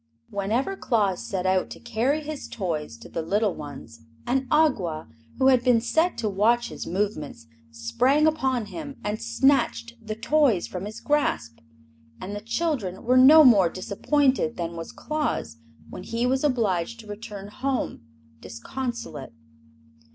Whenever Claus set out to carry his toys to the little ones an Awgwa, who had been set to watch his movements, sprang upon him and snatched the toys from his grasp. And the children were no more disappointed than was Claus when he was obliged to return home disconsolate.